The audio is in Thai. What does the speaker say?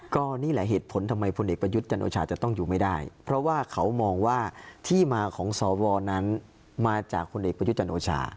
ก็นี่แหละเหตุผลทำไมพลเอกประยุทธ์จันโอชาจะต้องอยู่ไม่ได้เพราะว่าเขามองว่าที่มาของสวนั้นมาจากคนเอกประยุทธ์จันโอชา